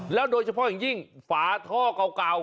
แล้วโดยเฉพาะอย่างจริงฝาท่อกล่าว